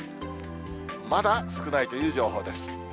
まだ少ないという情報です。